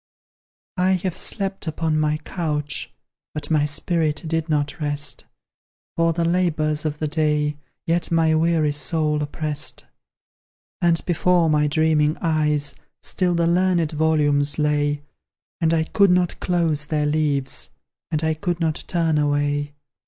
I have slept upon my couch, But my spirit did not rest, For the labours of the day Yet my weary soul opprest; And before my dreaming eyes Still the learned volumes lay, And I could not close their leaves, And I could not turn away.